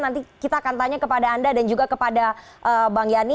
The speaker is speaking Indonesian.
nanti kita akan tanya kepada anda dan juga kepada bang yani